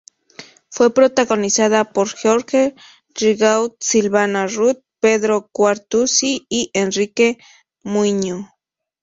Fue protagonizada por Jorge Rigaud, Silvana Roth, Pedro Quartucci y Enrique Muiño.